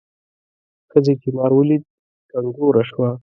ښځې چې مار ولید کنګوره شوه.